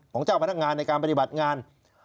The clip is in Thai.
เจ้าพนักงานในการปฏิบัติงาน